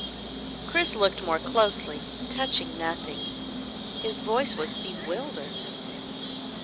Chris looked more closely, touching nothing. His voice was bewildered.